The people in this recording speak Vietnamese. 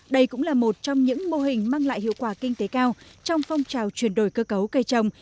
đây cũng là một trong những mô hình mang lại hiệu quả kinh tế cao trong phong trào chuyển đổi cơ cấu cây trồng